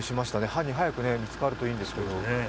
犯人が早く見つかるといいんですけど。